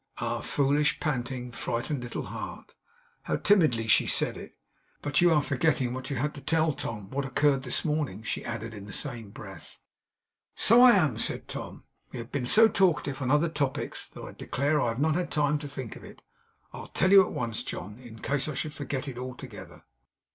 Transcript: Ah, foolish, panting, frightened little heart, how timidly she said it! 'But you are forgetting what you had to tell, Tom; what occurred this morning,' she added in the same breath. 'So I am,' said Tom. 'We have been so talkative on other topics that I declare I have not had time to think of it. I'll tell it you at once, John, in case I should forget it altogether.